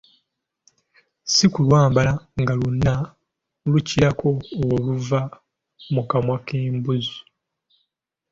Si kulwambala nga lwonna lukirako oluva mu kamwa k'embuzi !